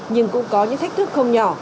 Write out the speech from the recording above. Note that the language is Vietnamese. nhưng cũng có những thách thức không nhỏ